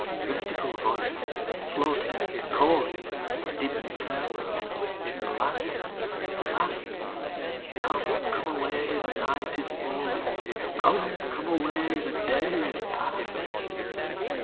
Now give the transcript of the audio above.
Mystical voices, floating, calling; Dim farewells the last, the last? Come, come away, the night is falling; 'Come, come away, the day is past.'